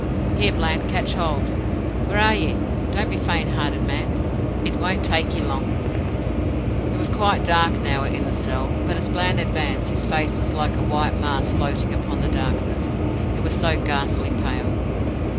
"Here, Bland, catch hold. Where are ye? don't be faint hearted, man. It won't take ye long." It was quite dark now in the cell, but as Bland advanced his face was like a white mask floating upon the darkness, it was so ghastly pale.